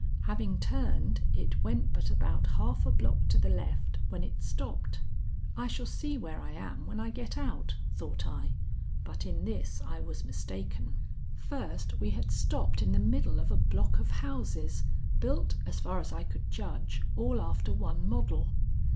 Having turned, it went but about half a block to the left when it stopped. "I shall see where I am when I get out," thought I; but in this I was mistaken. First we had stopped in the middle of a block of houses built, as far as I could judge, all after one model.